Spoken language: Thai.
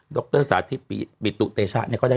ดรสาธิปิตุเตชะเนี่ย